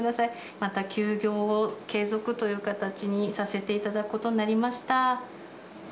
また休業を継続という形にさせていただくことになりました。